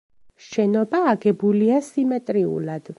შენობა აგებულია სიმეტრიულად.